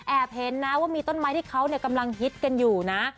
เห็นนะว่ามีต้นไม้ที่เขากำลังฮิตกันอยู่นะ